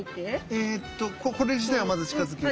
えっとこれ自体をまず近づける。